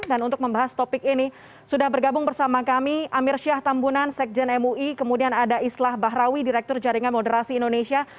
dan untuk membahas topik ini sudah bergabung bersama kami amir syah tambunan sekjen mui kemudian ada islah bahrawi direktur jaringan moderasi indonesia